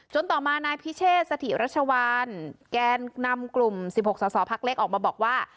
จนต่อมานายพิเชศสถิรัชวรรณแกนนำกลุ่ม๑๖สาวภักดิ์เล็กออกมาบอกว่า